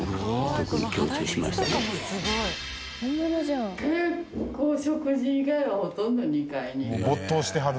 結構食事以外はほとんど２階にいる。